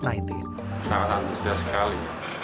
sangat antusias sekali